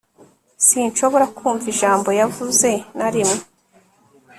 sinshobora kumva ijambo yavuze na rimwe